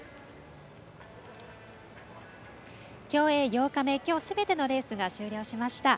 競泳８日目きょうすべてのレースが終了しました。